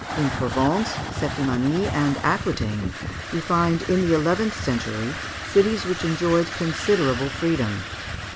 In Provence, Septimanie, and Aquitaine, we find, in the eleventh century, cities which enjoyed considerable freedom.